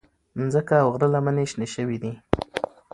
مځکه او غره لمنې شنې شوې دي.